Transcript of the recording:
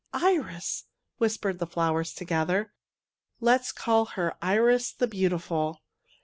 Iris! " whispered the flowers to gether. '^ Let us call her Iris the Beauti ful!